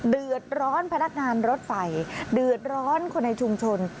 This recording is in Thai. เดือดร้อนพนักงานรถไฟเดือดร้อนคนในชุมชน